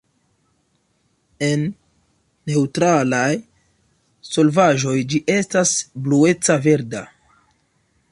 En neŭtralaj solvaĵoj ĝi estas blueca verda.